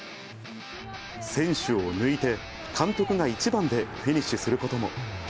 選手を抜いて、監督が一番でフィニッシュすることも。